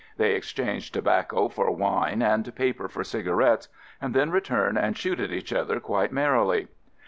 They ex change tobacco for wine and paper for cigarettes and then return and shoot at each other quite merrily.